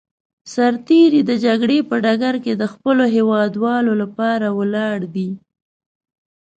سرتېری د جګړې په ډګر کې د خپلو هېوادوالو لپاره ولاړ دی.